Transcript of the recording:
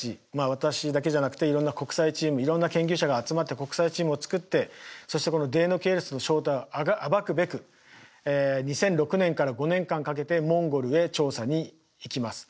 私だけじゃなくていろんな国際チームいろんな研究者が集まって国際チームを作ってそしてこのデイノケイルスの正体を暴くべく２００６年から５年間かけてモンゴルへ調査に行きます。